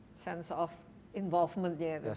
kita harus memiliki sikap kegiatan